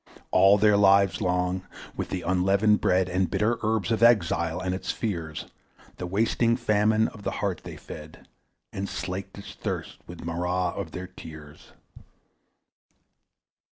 All their lives long, with the unleavened bread And bitter herbs of exile and its fears, The wasting famine of the heart they fed, And slaked its thirst with marah of their tears.